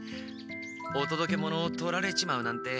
おとどけ物をとられちまうなんて。